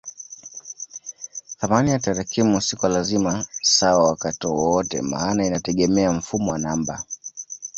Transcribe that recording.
Thamani ya tarakimu si kwa lazima sawa wakati wowote maana inategemea mfumo wa namba.